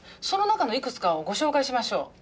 その中のいくつかをご紹介しましょう。